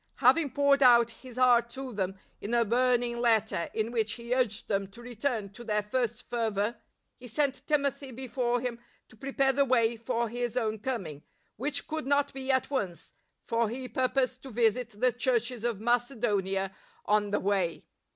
Having poured out his heart to them in a burning letter in which he urged them to return to their first fervour, he sent Timothy before him to prepare the way for his own coming, which could not be at once, for he purposed to visit the Churches of Macedonia on the way.